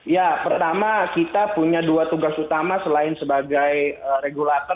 ya pertama kita punya dua tugas utama selain sebagai regulator